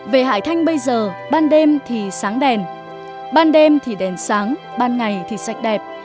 về hải thanh bây giờ ban đêm thì sáng đèn ban đêm thì đèn sáng ban ngày thì sạch đẹp